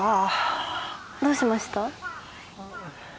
どうしました？